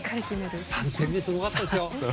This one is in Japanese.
３点目すごかったですよ。